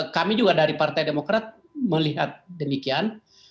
kami juga dari partai demokrat melihat demikian